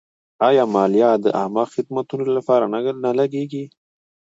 آیا مالیه د عامه خدماتو لپاره نه لګیږي؟